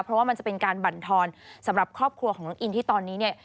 เพราะว่ามันจะเป็นการบรรทอนสำหรับครอบครัวของน้องอินที่ตอนนี้เนี่ย